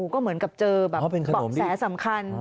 ก็เหมือนกับเจอบอกแรสำคัญ